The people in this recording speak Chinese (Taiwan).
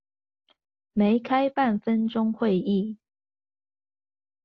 沒開半分鐘會議